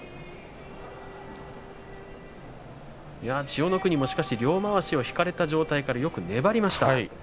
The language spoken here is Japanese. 千代の国も両まわしを引かれた状態から、よく粘りましたね。